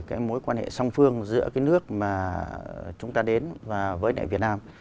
cái mối quan hệ song phương giữa cái nước mà chúng ta đến và với lại việt nam